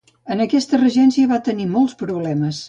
En aquesta regència va tenir molts problemes.